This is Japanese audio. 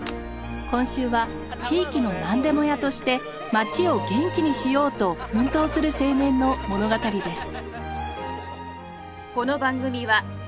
今週は地域のなんでも屋として町を元気にしようと奮闘する青年の物語です。